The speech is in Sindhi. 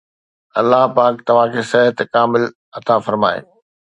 الله پاڪ توهان کي صحت کامل عطا فرمائي.